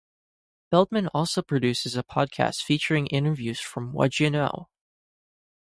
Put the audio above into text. Feldman also produces a podcast featuring interviews from Whad'ya Know?